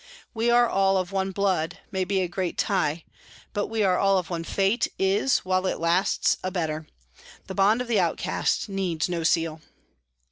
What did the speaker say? " We are all of one blood," may be a great tie, but " We are all of one fate " is, while it lasts, a better ; the bond of the outcast needs no seal.